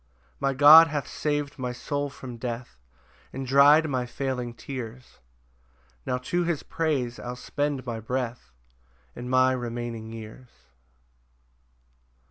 6 My God hath sav'd my soul from death, And dry'd my failing tears; Now to his praise I'll spend my breath, And my remaining years.